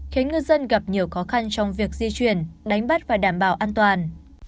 khiến ngư dân gặp nhiều khó khăn trong việc di chuyển đánh bắt và đảm bảo an toàn